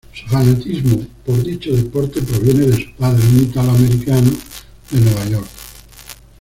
Su fanatismo por dicho deporte proviene de su padre, un ítalo-americano de Nueva York.